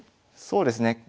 そうですね。